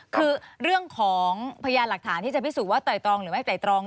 คือเรื่องของพยานหลักฐานที่จะพิสูจนว่าไตรตรองหรือไม่ไต่ตรอง